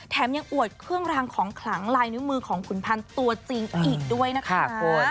แถมยังอวดเครื่องรางของขลังลายนิ้วมือของขุนพันธ์ตัวจริงอีกด้วยนะคะ